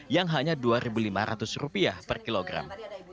yang hanya dua lima ratus rupiah per kilogram